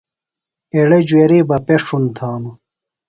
ایڈی جواری بہ پݜُن تھانو۔